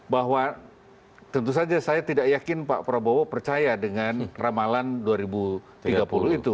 bahwa tentu saja saya tidak yakin pak prabowo percaya dengan ramalan dua ribu tiga puluh itu